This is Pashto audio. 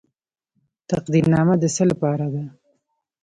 تقدیرنامه د څه لپاره ده؟